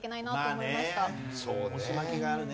押し負けがあるね